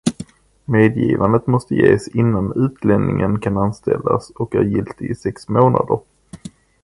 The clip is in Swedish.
Medgivandet måste ges innan utlänningen kan anställas och är giltigt i sex månader.